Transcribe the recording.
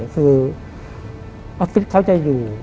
คือออฟฟิศเขาจะอยู่